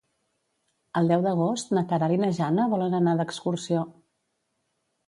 El deu d'agost na Queralt i na Jana volen anar d'excursió.